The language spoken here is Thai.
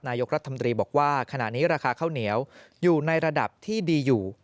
นายกรัฐมนตรีบอกว่าขณะนี้ราคาข้าวเหนียวอยู่ในระดับที่ดีอยู่